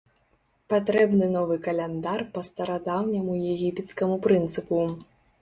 Патрэбны новы каляндар па старадаўняму егіпецкаму прынцыпу.